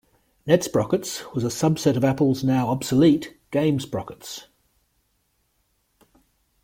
NetSprockets was a subset of Apple's now obsolete Game Sprockets.